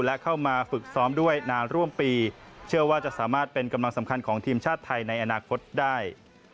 และเข้ามาฝึกซ้อมด้วยนานร่วมปีเชื่อว่าจะสามารถเป็นกำลังสำคัญของทีมชาติไทยในอนาคตได้